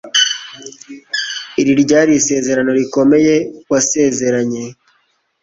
Iri ryari isezerano rikomeye wasezeranye